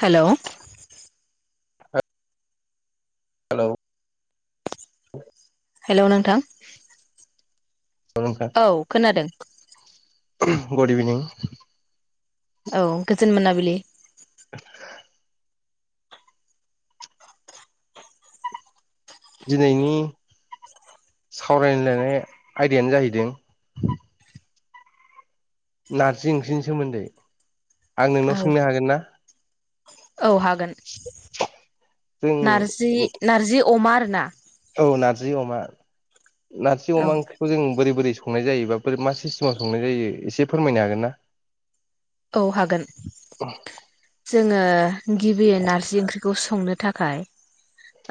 हेल' hello hello नोंथां नोंथां औ खोनादों। गुद इभिनिं। औ गोजोन मोनाबि बिलि [inaudible] दिनैनि सावरायलायनाय आयदायानो जाहैदों नारजि ओंख्रिनि सोमोन्दै। आं औ नोंनाव सोंनो हागोन ना? औ हागोन जों नारजि नारजि। अमा आरोना औ नारजि अमा नारजि औ अमा ओंख्रिखौ जों बोरै बोरै संनाय जायोबा मा सिस्टेमाव संनाय जायो एसे फोरमायनो हागोन ना? औ हागोन। जोङो गिबियो नारजि ओंख्रि खौ संनो थाखाय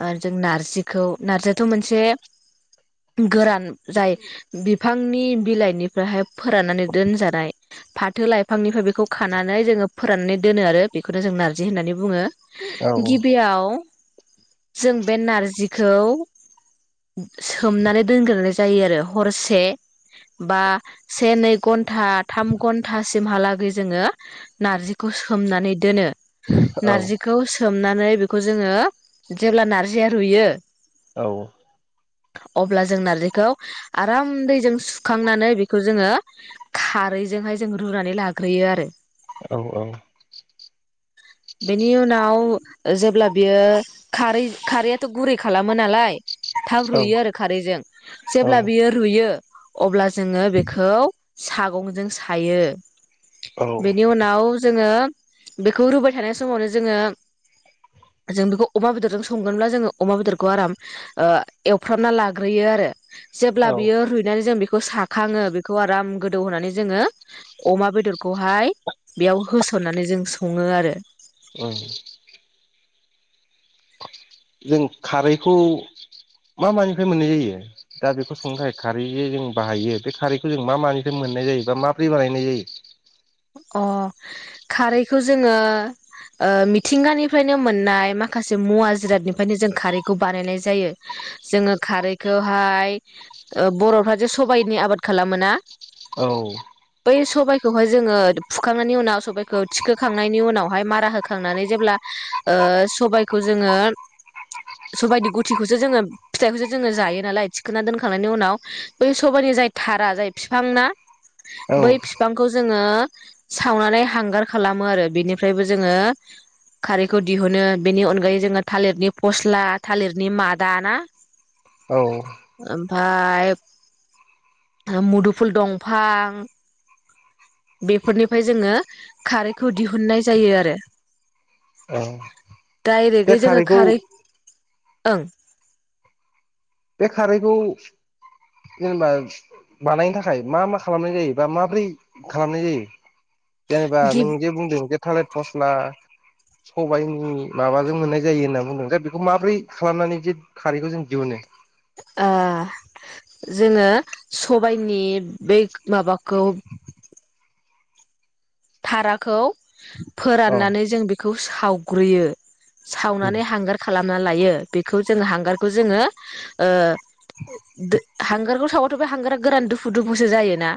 ओ जों नारजिखौ नारजियाथ' मोनसे गोरान जाय बि फांनि बिलाइनिफ्रायाहाय फोराननानै दोनजानाय फाथो लाइ फांनिफ्राय बेखौ खानानै जोङो फोराननानै दोनो आरो बेखौनो जों नारजि होननानै बुङो औ औ गिबियाव जों बे नारजिखौ सोमनानै दोनग्रोनाय जायो आरो हरसे बा से नै घन्टा थाम घन्टा सिमहालागै जोङो नारजिखौ सोमनानै दोनो नारजिखौ सोमना नै बेखौ जोङो जेब्ला नारजिया रुयो औ अब्ला जों नारजिखौ आराम दैजों सुखांनानै बेखौ जोङो खारैजोंहाय जोङो रुनानै लाग्रोयो आरो औ औ बेनि उनाव जेब्ला बियो खारै खारैयाथ' गुरै खालामो नालाय थाब रुयो आरो खारैजों जेब्ला बियो रुयो अब्ला जोङो बेखौ सागंजों सायो औ [inaudible] बेनि उनाव जोङो बेखौ रुबाय थानाय समावनो जोङो जों बेखौ अमा बेदरजों संगोनब्ला जोङो अमा बेदरखौ आराम ओ एवफ्रामना लाग्रोयो आरो जेब्ला औ बियो रुइनानै जों बे खौ साखाङो बेखौ आराम गोदौ होनानै जोङो अमा बेदरखौहाय बेयाव होसननानै जों सङो आरो जों खारैखौ मा मानिफ्राय मोननाय जायो दा बेखौ संनो थाखाय खारै जे जों बाहायो बे खारैखौ जों मा मानिफ्राय मोननाय जायो बा माब्रै बानायनाय जायो खौ जोङो मिथिंगानिफ्रायनो मोननाय माखासे मुवा जिरादनिफ्रायनो जों खारैखौ बानायनाय जायो जोङो खारैखौहाय बर'फ्रा जे सबाइनि आबाद खालामो ना औ बै सबाइखौहाय जोङो फुखांनायनि उनाव सबायखौ थिखोखांनायनि उनावहाय मारा होखांनानै जेब्ला सबायाइखौ जोङो सबायनि गुथिखौसो जोङो फिथाइखौसो जोङो जायो नालाय थिखोना दोनखांनायनि उनाव बै सबायाइनि जाय थारा जाय बिफां ना औ बै बिफांखौ जोङो सावनानै हांगार खालामो आरो बेनिफ्रायबो जोङो खारैखौ दिहुनो बेनि अनगायै जोङो थालिरनि फस्ला थालिरनि मादा ना औ ओमफ्राय मुदुफुल दंफां बेफोरनिफ्राय जोङो खारैखौ दिहुननाय जायो आरो औ बे डाइरेक्टयै जोङो खारैखौ खारै ओं बे खारैखौ जेनेबा बानायनो थाखाय मा मा खालामनाय जायो बा माब्रै खालामनाय जायो जेनेबा गि नों जे बुंदों जे थालेट फस्ला सबायनि माबाजों मोननाय जायो होनना बुंदों जे बेखौ माब्रै खालामनानै जों खारैखौ जों दिहुनो ओ जोङो सबायनि बे माबाखौ थाराखौ अ फोराननानै जों बेखौ बेखौ सावग्रोयो उम सावनानै हांगार खालाम खालामना लायो बेखौ जोंङो हांगारखौ जोंङो ओ [unintelligible] हांगारखौ साबाथ बे हांगारा गोरान दुफु दुफुसो जायो ना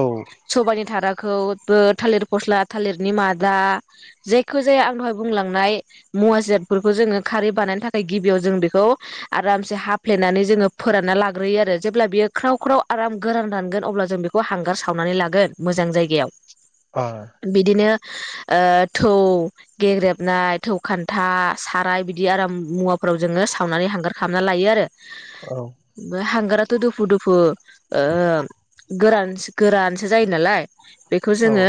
औ सबानि थारा खौबो थालिर फस्ला थालिरनि मादा जायखि जाया आं दहाय बुंलांनाय मुवााजिरादफोरखौ जोंङो खारै बानायनो थाखाय गिबियाव जों बेखौ आरामसे हाफ्लेनानै जोंङो फोरानना लाग्रोयो आरो जेब्ला बियो ख्राव ख्राव आराम गोरान रानगोन अब्ला जों बेखौ हांगार सावनानै लागोन मोजां जायगायाव अ बिदिनो थौ गेग्रेबनाय थौ खान्था साराय बिदि आराम मुवाफोराव जोंङो सावनानै हांगार खालामना लायो आरो औ बे हांग्रा दुफु दुफु ओ गोरान गोरानसो जायो नालाय बेखौ औ जोंङो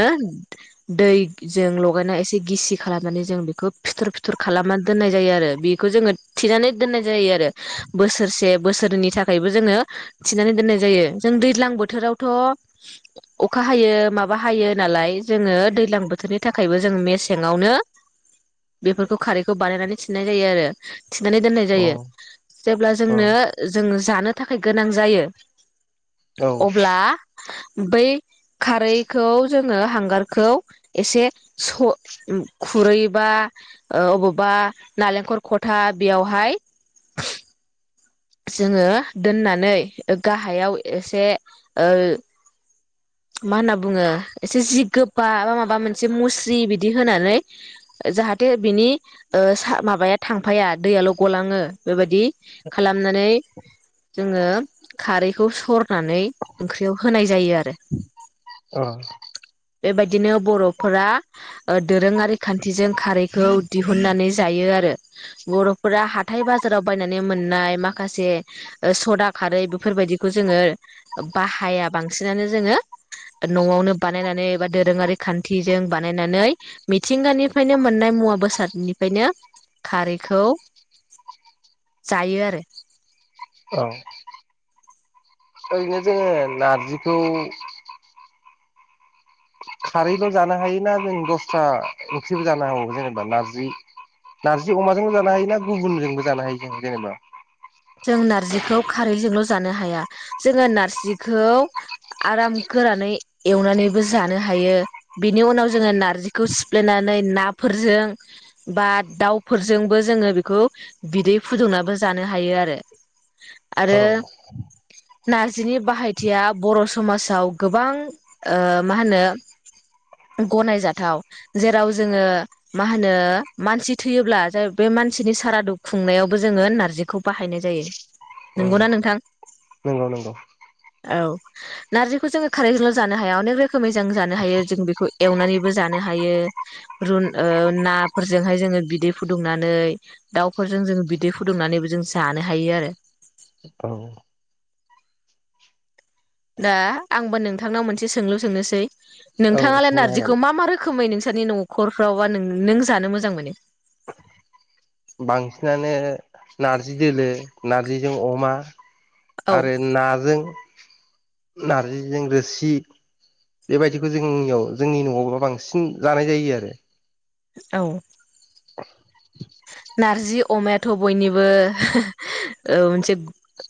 दै जों लगायना एसे गिसि खालामनानै जों बेखौ फिथर फिथर खालामनानै दोननाय जायो आरो बेखौ जोंङो थिनानै दोननाय जायो आरो बोसोरसे बोसोरनि थाखायबो जोंङो थिनानै दोननाय जायो जों दैज्लां बोथोरावथ अखा हायो माबा हायो नालाय जोंङो दैजलां बोथोरनि थाखायबो जों मेसेंआवनो बेफोरखौ खारैखौ बानायनानै थिन्नाय जायो आरो थिनानै दोननाय जायो जेब्ला अ जोंनो जों जानो थाखाय गोनां जायो अ औ अ अब्ला बै खारैखौ जोंङो हांगारखौ एसे खुरैबा ओ अबावबा नालेंखल खथा बेयावहाय जोंङो दोननानै गाहायाव एसे मा होनना बुङो एसे जि गोबा बा माबा मोनसे मुस्रि बिदि होनानै जाहाथे बिनि माबाया थांफाया दैयाल गलांङो बेबायदि नानै जोंङो खारैखौ सरनानै ओंख्रियाव होनाय जायो आरो [inaudible] एबादि बिदिनो बर'फोरा दोरोंङारि खान्थिजों खारैखौ दिहुनन्नानै जायो आरो बर'फोरा हाथाय बाजाराव बायनानै मोन नाय माखासे सदा खारै बेफोरबायदिखौ जोंङो बाहाया बांसिनानो जोंङो नआवनो बानायनानै बा दोरोंङारि खान्थिजों बानायनानै मिथिंगानिफ्रायनो मोननाय मुवा बेसादनिफ्रायनो खारैखौ जायो आरो औ ओरैनो जोंङो नारजिखौ खारैल जानो हायो ना जों दस्रा ओंख्रिबो जानो हागौ जेनेबा नारजि नार्जि अमाजोंबो जानो हायो ना गुबुनजोंबो जानो हायो जों जेनेबा जों नार्जिखौ खारैजोंल जानो हाया जोंङो नार्जिखौ आराम गोरानै एवनानैबो जानो हायो बेनि उनाव जोंङो नार्जिखौ सिफ्लेनानै नाफोरजों बा दाउफोरजोंबो जोंङो बेखौ बिदै फुदुंनाबो जानो हायो आरो दे औ नारजिनि बाहायथिया बर' समाजाव गोबां ओ मा होनो गनायजाथाव जेराव जोंङो मा होनो मानसि थैयोब्ला बे मानसिनि सारादु खुंनायावबो जोंङो नार्जिखौ बाहायनाय जायो नंगौना नोंथां नंगौ नंगौ औ नारजिखौ जोङो खारैजोंल' जानो हाया। अनेक रोखोमै जों जानो हायो जों बेखौ एवनानैबो जानो हायो रुन ओ नाफोरजोंहाय जोङो बिदै फुदुंनानै दाउफोरजों जोङो बिदै फुदुंनानैबो जानो हायो आरो औ दा आंबो नोंथांनाव मोनसे सोंलु सोंनोसै औ नोंथाङालाय सोंनो हागोन नारजिखौ मा मा रोखोमै नों नोंसानि न'खरफ्रावबा नों जानो मोजां मोनो? बांसिनानो नारजि दोलो नारजिजों अमा। आरो औ नाजों नारजिजों रोसि बेबायदिखौ जोंनियाव जोंनि न'आवनो बांसिन जानाय जायो आरो औ नारजि अमायाथ' बयनिबो होह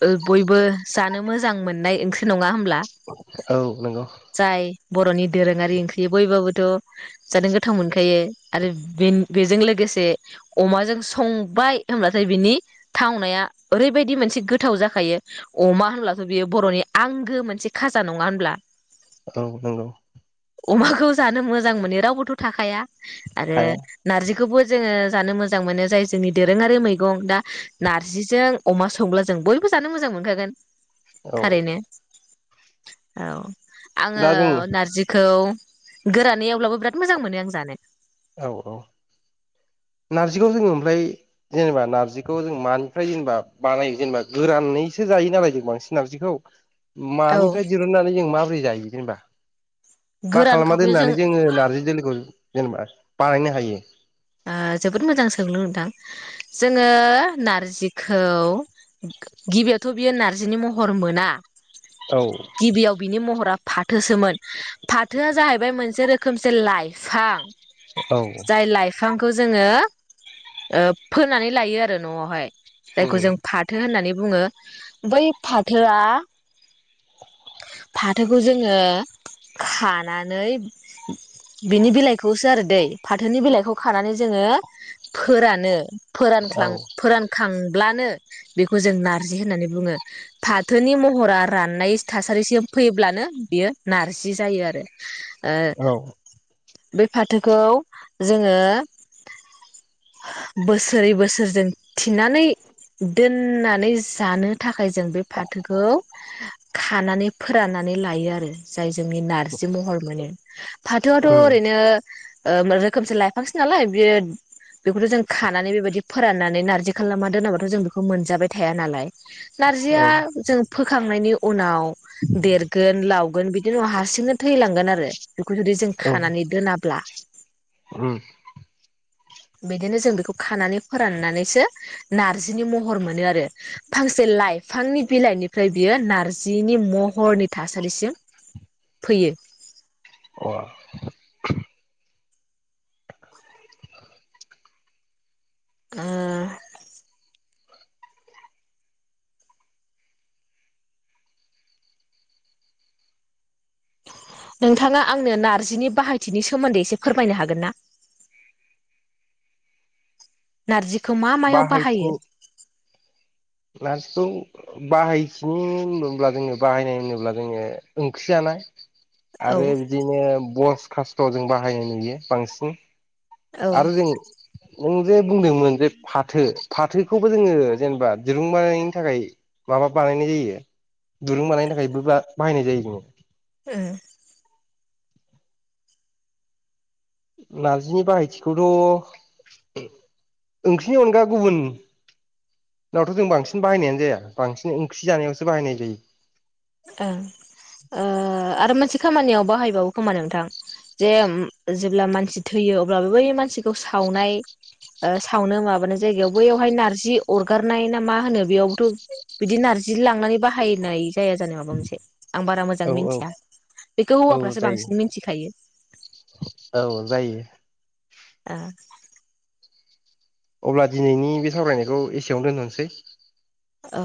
औ बयबो जानो मोजां मोननाय ओंख्रि नङा होम होब्ला औ नंगौ जाय बर'नि दोरोङारि ओंख्रि बय बाबो थ' जानो गोथाव मोनखायो आरो बे बेजों लोगोसे अमाजों संबाय होनब्लाथाय बिनि थावनाया ओरैबायदि मोनसे गोथाव जाखायो अमा होनब्लाथ' बियो बर'नि आंगो मोनसे खाजा नङा होनब्ला। औ नंगौ। अमाखौ जानो मोजां मोनो रावबोथ' थाखाया। आरो थाया नारजि खौबो जोङो जानो मोजा मोजां मोनो जाय जोंनि दोरोङारि मैगं दा नार्जिजों अमा संब्ला जों बयबो जानो मोजां मोनखागोन। औ थारैनो औ। आङो दा जों नारजिखौ गोरानै एवब्लाबो बिराद मोजां मोनो आं जानो। औ औ नारजिखौ जोङो ओमफ्राय जेनेबा नार्जिखौ जों मानिफ्राय जेनेबा बानायो जेनेबा गोरानैसो जायो नालाय जों बांसिन नार्जिखौ औ मानिफ्राय दिरुननानै जों माबोरै जायो? जेनबा। मा गोरान खालाना खावखौ जों दोननानै जोङो नार्जि दोलोखौ जेनेबा बाहायनो हायो। ओ जोबोद मोजां सोंलु नोंथां जोङो नारजिखौ गिबियावथ बियो नारजिनि महर मोना औ गिबियाव बिनि महरा फाथोसोमोन फाथोआ जाहैबाय मोनसे रोखोम खोमसे लाइफां औ। खौ जोङो ओ फोनानै लायो आरो न'आवहाय। औ जायखौ जों फाथो होननानै बुङो बै फाथोआ फाथोखौ जोङो खानानै बिनि बिलाइखौसो आरो दै फाथोनि बिलाइखौ खानानै जोङो फोरानो फोरानख्लां फोरानखां लानो बेखौ जों नारजि होननानै बुङो फाथोनि महरा राननाय थासारिसिम फैयोब्लानो बेयो नारजि जायो आरो। ओ। बे फाथोखौ जोङो बोसोरै बोसोरजों थिनानै दोननानै जानो थाखाय। थाखाय जों बे फाथोखौ। खानानै फोराननानै लायो आरो। जाय जोंनि नारजि महर मोनो। फाथोआथ ओरैनो ओ रोखोमसे लाइ फांसो नालाय बेयो बेखौथ जों खानानै बेबायदि फोराननानै नारजि खालामना दोनाबाथ जों बेखौ मोनजाबाय थाया नालाय। औ नारजिया जों फोखांनायनि उनाव देरगोन लावगोन बिदि उनाव हारसिंनो थैलांगोन आरो। बेखौ जुदि जों औ खानानै दोनाब्ला। बिदिनो जों बेखौ खानानै फोराननानैसो नारजिनि महर मोनो आरो फांसे लाइफांनि बिलाइनिफ्राय बियो नारजिनि महरनि थासारिसिम फैयो। अ। ओ। नोंथाङा आंनो नारजिनि बाहायथिनि सोमोन्दै एसे फोरमायनो हागोन ना। नारजि बाहायखु नारजिखौ बाहायथिनि होनोब्ला जोङो बाहायनाय होनोब्ला जोङो ओंख्रि जानाय। औ आरो बिदिनो बस। खास्थआव जों बाहायनाय नुयो बांसिन। औ आरो जों नों जे बुंदोंमोन जे फाथोखौबो जोङो जेनेबा दिरुं बानायनि थाखाय माबा बानायनाय जायो दुरुं बानायनो थाखाय बाहायनाय जायो जोङो ओम। नारजिनि बाहायथिखौथ' ओंख्रिनि अनगा गुबुननावथ' जों बांसिन बाहायनायानो जाया बांसिन ओंख्रि जानायावसो बाहायनाय जायो। ओ ओ आरो मोनसे खामानियाव बाहायबावो खोमा नोंथां जे जेब्ला मानसि थैयो अब्लाबो बै मानसिखौ सावनाय सावनो माबानाय जायगायाव बैयावहाय नार्जि अरगारनाय ना मा होनो बेयावबोथ' बिदि नार्जि लांनानै बाहायनाय। जाया जानाय माबा मोनसे। आं बारा मोजां औ औ मिथिया बेखौ औ हौवाफ्रासो जायो बांसिन मिथिखायो। औ जायो ओ। अब्ला दिनैनि बे सावरायनायखौ एसेयावनो दोनथसै। औ।